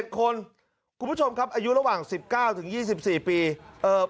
คนคุณผู้ชมครับอายุระหว่าง๑๙ถึง๒๔ปี